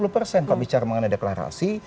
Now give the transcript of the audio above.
pak bicar mengenai deklarasi